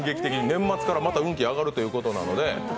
年末からまた運気が上がるということなので。